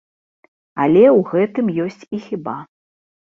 Але ў гэтым ёсць і хіба.